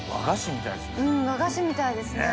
和菓子みたいですね。